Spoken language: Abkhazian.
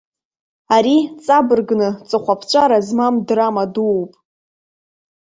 Ари, ҵабыргны, ҵыхәаԥҵәара змам драма дууп.